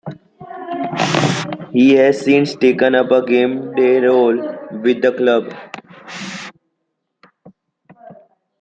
He has since taken up a game day role with the club.